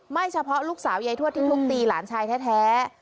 เฉพาะลูกสาวยายทวดที่ทุบตีหลานชายแท้